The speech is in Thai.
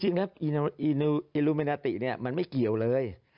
จริงครับอีลูมินาติมันไม่เกี่ยวเลย